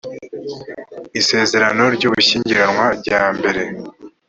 isezerano ry ubushyingiranywe rya mbere